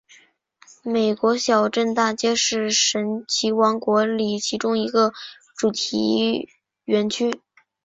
美国小镇大街是神奇王国里其中一个主题园区。